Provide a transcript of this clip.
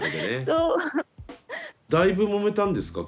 だいぶもめたんですか？